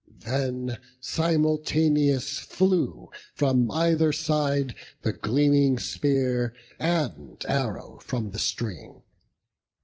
Then simultaneous flew from either side The gleaming spear, and arrow from the string.